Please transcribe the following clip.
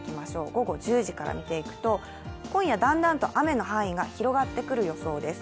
午後１０時から見ていくと、今夜だんだんと雨の範囲が広がってくる予想です。